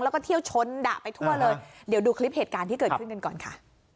แล้วก็เที่ยวชนดะไปทั่วเลยเดี๋ยวดูคลิปเหตุการณ์ที่เกิดขึ้นกันก่อนค่ะ